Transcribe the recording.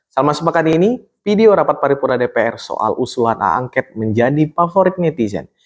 selama sempat ini video rapat paripura dpr soal usuhan aangket menjadi favorit netizen